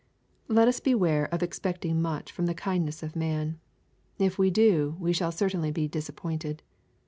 Let us beware of expecting much from the kindness of man. If we do, we shall certainly be disappointed.